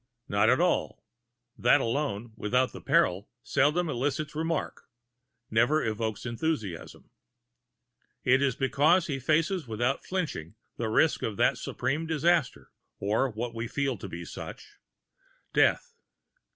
Not at all; that alone without the peril seldom elicits remark, never evokes enthusiasm. It is because he faced without flinching the risk of that supreme disaster or what we feel to be such death.